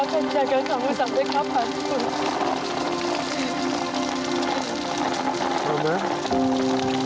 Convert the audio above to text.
mama jaga kamu sampai kapanpun